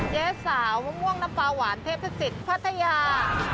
เจ๊สาวมะม่วงน้ำปลาหวานเทพศิษย์พัทยา